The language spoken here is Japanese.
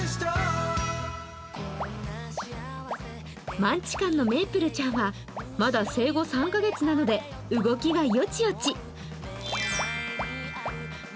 マンチカンのメープルちゃんはまだ生後３カ月なので動きがよちよち。